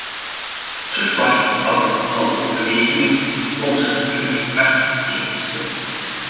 Dit verslag bevat een aantal overwegingen die ons ertoe hebben gebracht tegen te stemmen.